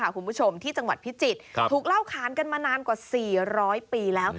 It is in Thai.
คุณผู้ชมที่จังหวัดพิจิตรถูกเล่าขานกันมานานกว่า๔๐๐ปีแล้ว